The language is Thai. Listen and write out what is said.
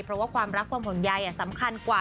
เพราะว่าความรักความห่วงใยสำคัญกว่า